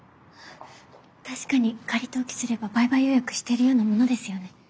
確かに仮登記すれば売買予約してるようなものですよね？